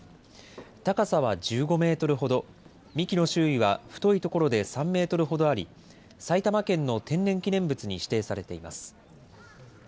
高さは１５メートルほど、幹の周囲は太い所で３メートルほどあり、埼玉県の天然記念物に指定されています。